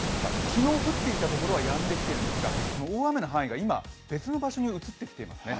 昨日降っているところはやんでいるんですが、大雨の範囲が今、別の場所に移ってきています。